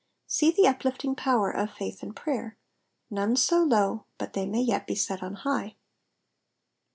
See the uplifting power of faith and prayer. None so low but they may yet be set on high.